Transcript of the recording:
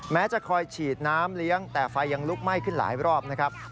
จะคอยฉีดน้ำเลี้ยงแต่ไฟยังลุกไหม้ขึ้นหลายรอบนะครับ